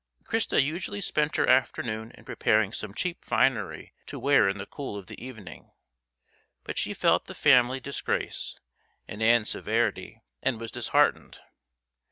Christa usually spent her afternoon in preparing some cheap finery to wear in the cool of the evening, but she felt the family disgrace and Ann's severity, and was disheartened.